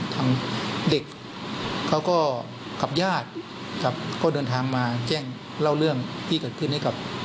ทางเด็กเขาก็กับญาติครับก็เดินทางมาแจ้งเล่าเรื่องที่เกิดขึ้นให้กับ